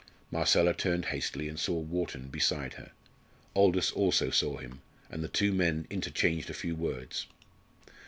Marcella turned hastily and saw Wharton beside her. Aldous also saw him, and the two men interchanged a few words.